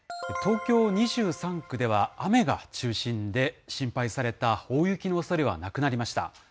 東京２３区では雨が中心で、心配された大雪のおそれはなくなりました。